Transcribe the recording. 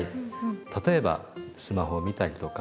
例えばスマホを見たりとか。